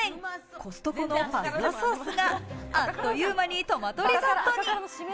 コストコのパスタソースがあっという間にトマトリゾットに。